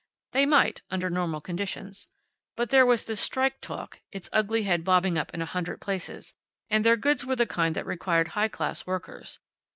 They might, under normal conditions. But there was this strike talk, its ugly head bobbing up in a hundred places. And their goods were the kind that required high class workers.